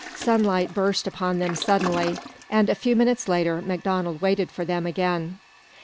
Sunlight burst upon them suddenly, and a few minutes later MacDonald waited for them again.